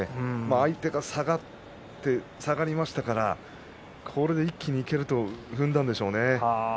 相手が下がりましたからこれで一気にいけると踏んだんでしょうね。